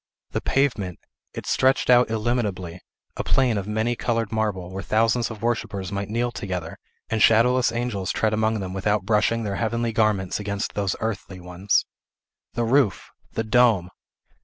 The pavement! it stretched out illimitably, a plain of many colored marble, where thousands of worshippers might kneel together, and shadowless angels tread among them without brushing their heavenly garments against those earthly ones. The roof! the dome!